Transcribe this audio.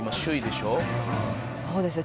そうですよ。